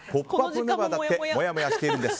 メンバーだってもやもやしてるんです！